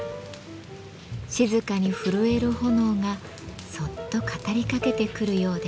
静かに震える炎がそっと語りかけてくるようです。